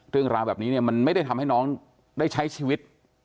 เรื่องราวแบบนี้เนี่ยมันไม่ได้ทำให้น้องได้ใช้ชีวิต